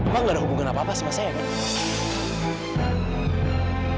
bang gak ada hubungan apa apa sama saya kan